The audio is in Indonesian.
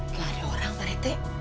tidak ada orang pak rete